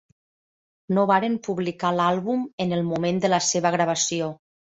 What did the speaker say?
No varen publicar l'àlbum en el moment de la seva gravació.